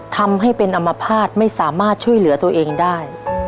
ทำให้เป็นอมภาษณ์ไม่สามารถช่วยเหลือตัวเองได้